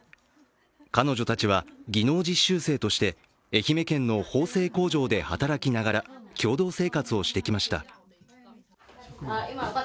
彼女たちは技能実習生として愛媛県の縫製工場で働きながら共同生活をしてきました。